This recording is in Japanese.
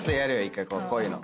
１回こういうの。